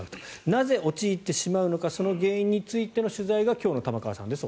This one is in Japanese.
なぜ陥ってしまうのかその原因についての取材が今日の玉川さんです。